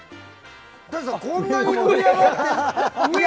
こんなに盛り上がってるのに！